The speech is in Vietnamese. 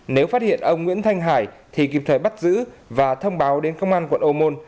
nếu phát hiện ông nguyễn thanh hải thì kịp thời bắt giữ và thông báo đến công an quận ô môn